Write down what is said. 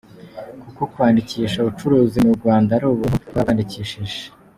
Kuko kwandikisha ubucuruzi mu Rwanda ari ubuntu, twarabwandikishije.